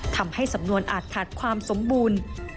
ทำให้สำนวนอาจขาดความสมบูรณ์